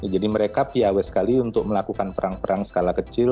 jadi mereka piaw sekali untuk melakukan perang perang skala kecil